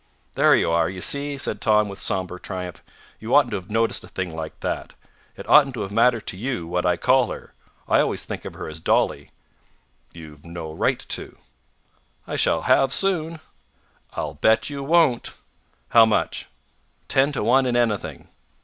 "There you are, you see," said Tom with sombre triumph; "you oughtn't to have noticed a thing like that. It oughtn't to matter to you what I call her. I always think of her as Dolly." "You've no right to." "I shall have soon." "I'll bet you won't." "How much?" "Ten to one in anything."